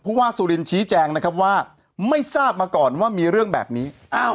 ว่าสุรินชี้แจงนะครับว่าไม่ทราบมาก่อนว่ามีเรื่องแบบนี้